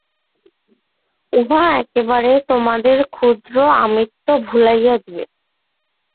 উহা একেবারে তোমাদের ক্ষুদ্র আমিত্ব ভুলাইয়া দিবে।